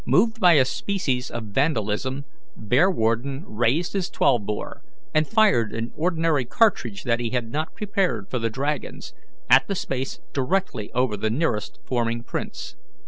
Moved by a species of vandalism, Bearwarden raised his twelve bore, and fired an ordinary cartridge that he had not prepared for the dragons, at the space directly over the nearest forming prints.